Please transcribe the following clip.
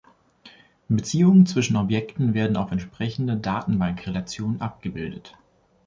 Beziehungen zwischen Objekten werden auf entsprechende Datenbank-Relationen abgebildet.